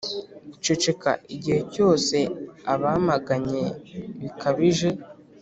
ceceka, igihe cyose abamaganye bikabije,